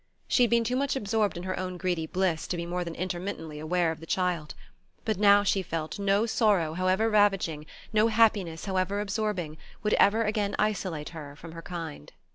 She had been too much absorbed in her own greedy bliss to be more than intermittently aware of the child; but now, she felt, no sorrow however ravaging, no happiness however absorbing, would ever again isolate her from her kind.